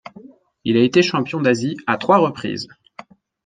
Il a été champion d'Asie à trois reprises.